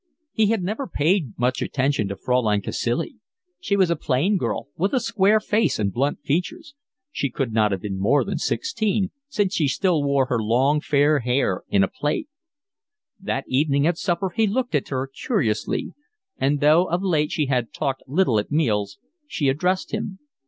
He had never paid much attention to Fraulein Cacilie. She was a plain girl, with a square face and blunt features. She could not have been more than sixteen, since she still wore her long fair hair in a plait. That evening at supper he looked at her curiously; and, though of late she had talked little at meals, she addressed him.